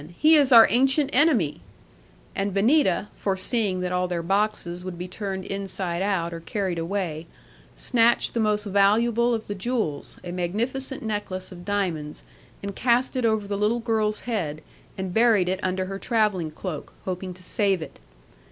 He is our ancient enemy;" and Benita (foreseeing that all their boxes would be turned inside out, or carried away), snatched the most valuable of the jewels, a magnificent necklace of diamonds, and cast it over the little girl's head, and buried it under her travelling cloak, hoping to save it.